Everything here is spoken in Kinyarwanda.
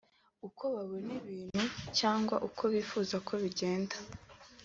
uko babona ibintu cyangwa uko bifuza ko bigenda